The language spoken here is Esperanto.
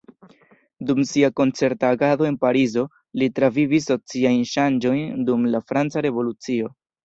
Dum sia koncerta agado en Parizo li travivis sociajn ŝanĝojn dum la franca revolucio.